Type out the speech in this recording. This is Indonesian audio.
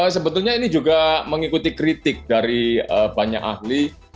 sebetulnya ini juga mengikuti kritik dari banyak ahli